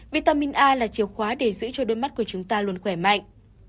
vitamin a là chiều khóa để giữ cho đôi mắt của chúng ta luôn khỏe mạnh